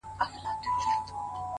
دى خو بېله تانه كيسې نه كوي!!